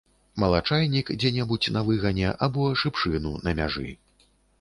Малачайнік дзе-небудзь на выгане або шыпшыну на мяжы.